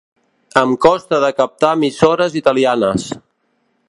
Em costa de captar emissores italianes.